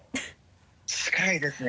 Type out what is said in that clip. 近いですね。